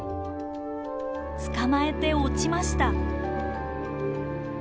捕まえて落ちました。